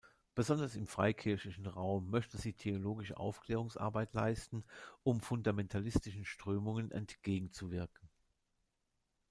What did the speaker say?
Besonders im freikirchlichen Raum möchte sie theologische Aufklärungsarbeit leisten, um fundamentalistischen Strömungen entgegenzuwirken.